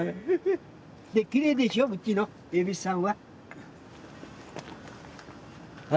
きれいでしょうちのえびすさんは。